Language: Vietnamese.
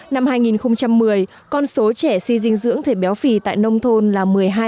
năm hai nghìn một mươi con số trẻ suy dinh dưỡng thể béo phì tại nông thôn là một mươi hai